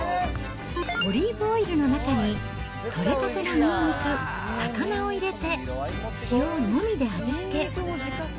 オリーブオイルの中に取れたてのニンニク、魚を入れて、塩のみで味付け。